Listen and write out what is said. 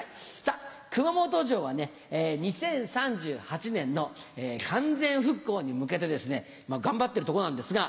熊本城は２０３８年の完全復興に向けてですね頑張ってるとこなんですが。